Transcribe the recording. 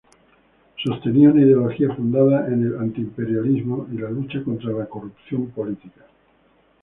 Sostenía una ideología fundada en el antiimperialismo y la lucha contra la corrupción política.